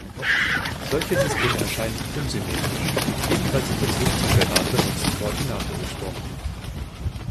Solche Systeme erscheinen „unsymmetrisch“, jedenfalls in Bezug zum gerade benutzten Koordinatenursprung.